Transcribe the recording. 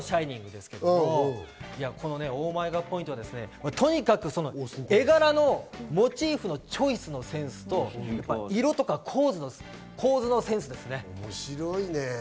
オーマイガーポイントはとにかく絵柄のモチーフのチョイスのセンスと色とか構図のセンス。